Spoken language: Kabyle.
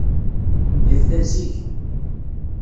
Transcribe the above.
Yebda zik.